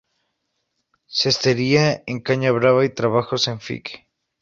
Cestería en caña brava y trabajos en fique.